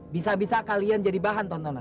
bisa bisa kalian jadi bahan tontonan